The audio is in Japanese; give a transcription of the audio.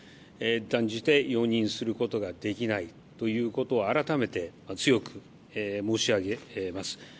断じて容認することができないということを改めて強く申し上げます。